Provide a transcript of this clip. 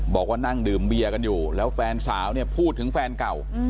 บอกว่านั่งดื่มเบียร์กันอยู่แล้วแฟนสาวเนี่ยพูดถึงแฟนเก่า